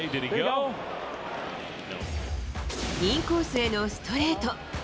インコースへのストレート。